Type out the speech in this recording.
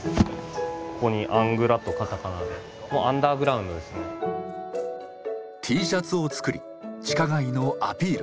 ここに「アングラ」とカタカナでＴシャツを作り地下街のアピール。